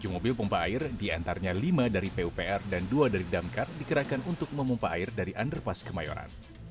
tujuh mobil pompa air diantaranya lima dari pupr dan dua dari damkar dikerahkan untuk memumpah air dari underpass kemayoran